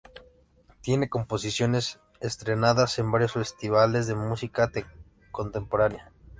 Tiene composiciones estrenadas en varios festivales de música contemporánea.